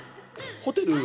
ホテル。